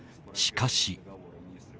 しかし。